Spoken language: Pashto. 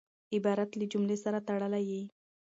عبارت له جملې سره تړلی يي.